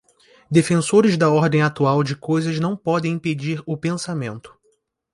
defensores da ordem atual de coisas não podem impedir que o pensamento